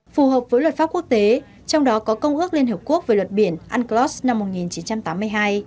phù hợp với luật pháp quốc tế trong đó có công ước liên hợp quốc về luật biển unclos năm một nghìn chín trăm tám mươi hai